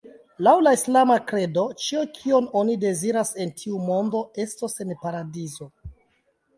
Laŭ la islama kredo, ĉio kion oni deziras en tiu mondo estos en Paradizo.